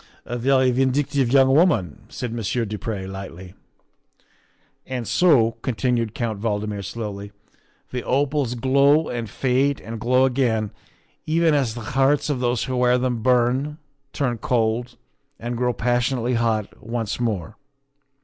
"A very vindictive young woman," said Monsieur du Pre lightly. "And so," continued Count Valdmir slowly, " the opals glow and fade and glow again, even as the hearts of those who wear them burn, turn cold, and grow pas sionately hot once more.